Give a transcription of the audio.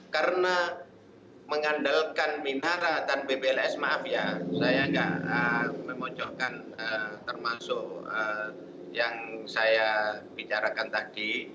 karena mengandalkan minara dan bbls maaf ya saya tidak memonjolkan termasuk yang saya bicarakan tadi